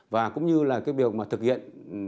và cũng như là việc thực hiện